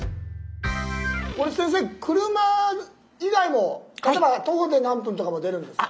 これ先生車以外も例えば徒歩で何分とかも出るんですか？